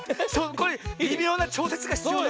これびみょうなちょうせつがひつようね。